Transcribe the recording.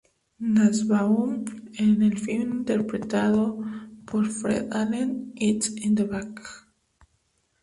Nussbaum en el film interpretado por Fred Allen "It's in the Bag!